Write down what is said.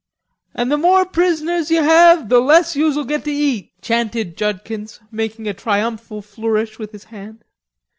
"'An the more prisoners ye have, the less youse'll git to eat,'" chanted Judkins, making a triumphal flourish with his hand.